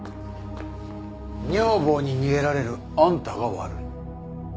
女房に逃げられるあんたが悪い。